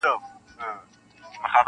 نور به له پالنګ څخه د جنګ خبري نه کوو-